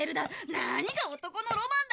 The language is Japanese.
何が男のロマンだ！